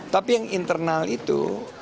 tapi yang internal itu